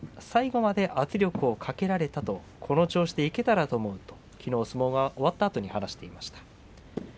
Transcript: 最後まで圧力をかけられたとこの調子でいけたらときのうの相撲が終わったあとに話していました。